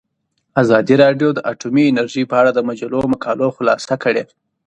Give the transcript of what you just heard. ازادي راډیو د اټومي انرژي په اړه د مجلو مقالو خلاصه کړې.